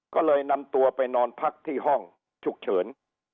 ก็เลยนำตัวไปนอนพักที่ห้องฉุกเฉิน